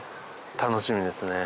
楽しみですね。